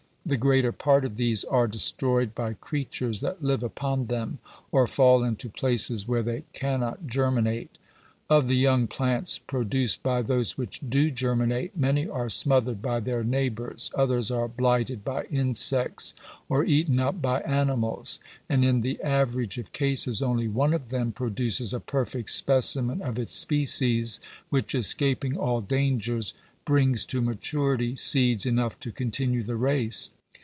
The greater part of these are destroyed by creatures that live upon them, or fall into places where they cannot germinate. Of the young plants produced by those which do germinate, many are smothered by their neighbours; others are blighted by insects, or eaten up by x animals ; and in the average of cases, only one of them pro duces a perfect specimen of its species, which, escaping all dangers, brings to maturity seeds enough to continue the race.